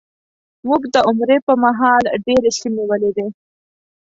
موږ د عمرې په مهال ډېرې سیمې ولیدې.